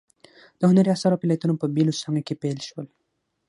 د هنري اثارو فعالیتونه په بیلو څانګو کې پیل شول.